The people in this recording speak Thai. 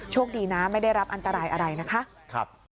โชคดีนะไม่ได้รับอันตรายอะไรนะคะค่ะครับ